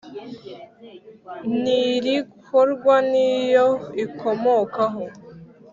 N irikorwa n iyo ikomokaho